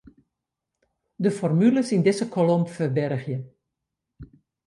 De formules yn dizze kolom ferbergje.